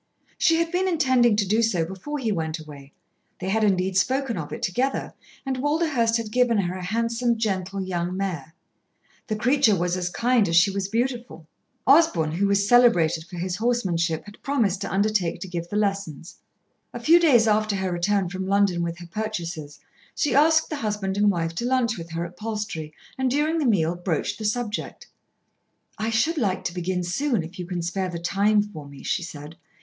She had been intending to do so before he went away; they had indeed spoken of it together, and Walderhurst had given her a handsome, gentle young mare. The creature was as kind as she was beautiful. Osborn, who was celebrated for his horsemanship, had promised to undertake to give the lessons. A few days after her return from London with her purchases, she asked the husband and wife to lunch with her at Palstrey, and during the meal broached the subject. "I should like to begin soon, if you can spare the time for me," she said.